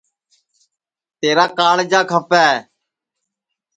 تیرا کاݪجا کھپے